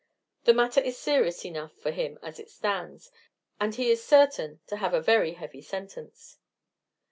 The matter is serious enough for him as it stands, and he is certain to have a very heavy sentence.